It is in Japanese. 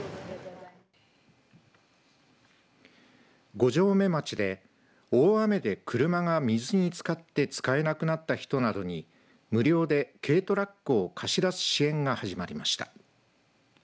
五城目町で大雨で車が水につかって使えなくなった人などに無料で軽トラックを貸し出す支援が始まりました。